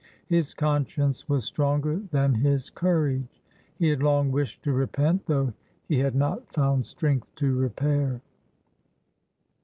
His conscience was stronger than his courage. He had long wished to repent, though he had not found strength to repair.